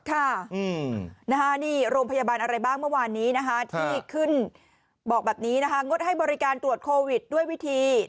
ใช่ค่ะโรงพยาบาลอะไรบ้างเมื่อวานนี้ที่ขึ้นบอกแบบนี้ยมให้บริการตรวจโควิด๑๙ด้วยวิธี